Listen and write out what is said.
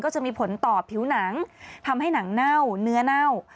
จะมีผลต่อผิวหนังทำให้หนังเน่าเนื้อเน่า